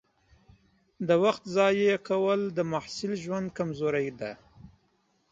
د وخت ضایع کول د محصل ژوند کمزوري ده.